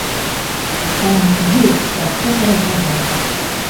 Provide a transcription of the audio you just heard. Там ёсць пра што паразважаць.